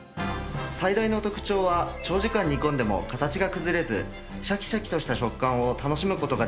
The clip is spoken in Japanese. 最大の特徴は長時間煮込んでも形が崩れずシャキシャキとした食感を楽しむ事ができます。